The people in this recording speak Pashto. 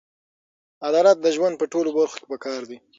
عدالت د ژوند په ټولو برخو کې پکار دی.